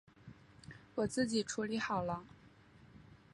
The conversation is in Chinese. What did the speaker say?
我自己处理好了